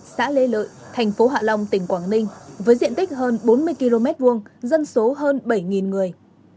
xã lê lợi thành phố hạ long tỉnh quảng ninh với diện tích hơn bốn mươi km hai dân số hơn bảy người